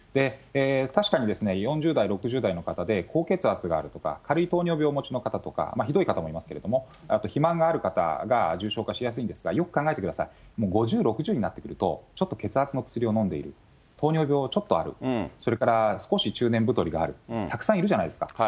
確かに、４０代、６０代の方で、高血圧があるとか、軽い糖尿病をお持ちの方とか、ひどい方もいますけれども、肥満がある方が重症化しやすいんですが、よく考えてください、もう５０、６０になってくると、ちょっと血圧の薬を飲んでいる、糖尿病ちょっとある、それから少し中年太りがある、たくさんいるじゃないですか。